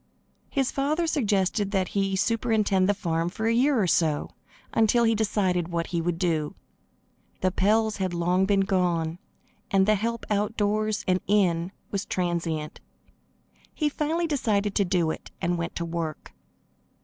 His father suggested that he superintend the farm for a year or so, until he decided what he would do. The Pells had long been gone, and the help outdoors and in was transient. He finally decided to do it, and went to work.